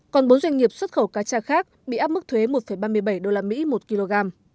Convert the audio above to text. còn bốn doanh nghiệp xuất khẩu cá cha khác bị áp mức thuế một ba mươi bảy usd một kg